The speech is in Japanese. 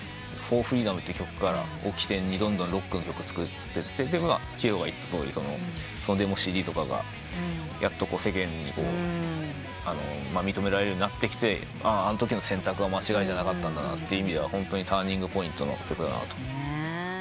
『ＦｏｒＦｒｅｅｄｏｍ』って曲を起点にどんどんロックの曲作ってってひろが言ったとおりデモＣＤとかがやっと世間に認められるようになってきてあのときの選択は間違いじゃなかったんだって意味ではホントにターニングポイントの曲だなと。